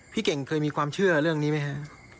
พี่เก่งเคยมีความเชื่อเรื่องนี้ไหมฮะ